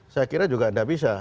saya kira juga tidak bisa